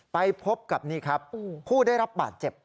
ไปพบกับผู้ได้รับบาดเจ็บ